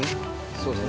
そうです。